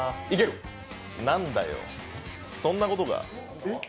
なんだよ、そんなことか。